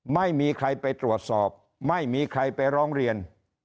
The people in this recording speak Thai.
ไม่มีใครไปตรวจสอบไม่มีใครไปร้องเรียน